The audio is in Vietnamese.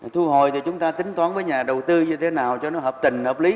thu hồi thì chúng ta tính toán với nhà đầu tư như thế nào cho nó hợp tình hợp lý